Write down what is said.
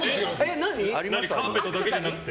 カーペットだけじゃなくて？